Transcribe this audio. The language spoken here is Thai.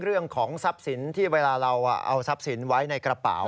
เรื่องของทรัพย์สินที่เวลาเราเอาทรัพย์สินไว้ในกระเป๋า